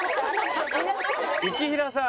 雪平さん。